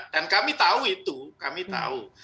dan kami tahu itu kami tahu